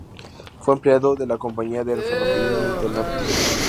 Fue empleado de la Compañía de Ferrocarriles del Norte.